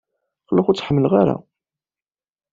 Qqleɣ ur tt-ḥemmleɣ ara.